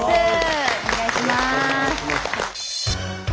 お願いします。